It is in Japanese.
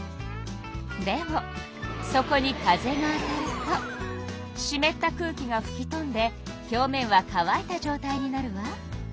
でもそこに風が当たるとしめった空気がふき飛んで表面は乾いたじょうたいになるわ。